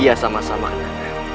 iya sama sama kenanga